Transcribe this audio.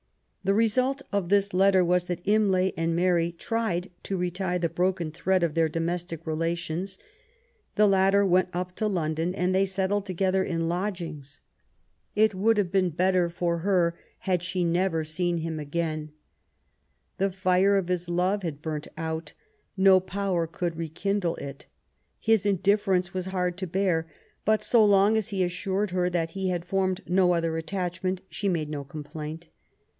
, The result of this letter was that Imlay and Mary tried to retie the broken thread of their domestic rela tions. The latter went up to London, and they settled together in lodgings. It would have been better for 10 146 MABY WOLLSTONEOBAFT GODWIN. her had she never seen him again. The fire of his love had burnt out. No power could rekindle it. His in difference was hard to bear ; but so long as he assured her that he had formed no other attachment^ she made no complaint.